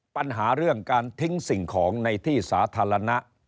ปัญหาเรื่องการทิ้งสิ่งของในที่สาธารณะ